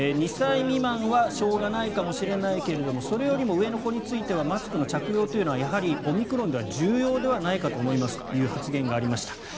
２歳未満はしょうがないかもしれないけどそれよりも上の子においてはマスク着用というのはオミクロンでは重要じゃないかと思いますという発言がありました。